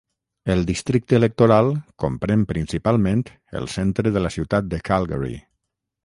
El districte electoral comprèn principalment el centre de la ciutat de Calgary.